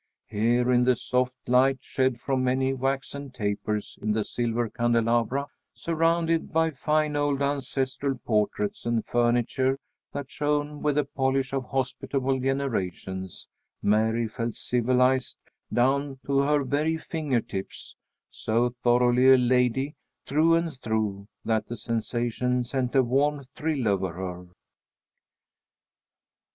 Here in the soft light shed from many waxen tapers in the silver candelabra, surrounded by fine old ancestral portraits, and furniture that shone with the polish of hospitable generations, Mary felt civilized down to her very finger tips: so thoroughly a lady, through and through, that the sensation sent a warm thrill over her.